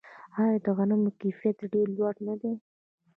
آیا د غنمو کیفیت ډیر لوړ نه دی؟